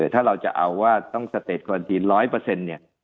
ถ้าเราจะเอาว่าต้องสเตจควันทีน๑๐๐เนี่ย